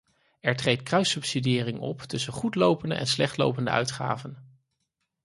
Er treedt kruissubsidiëring op tussen goedlopende en slechtlopende uitgaven.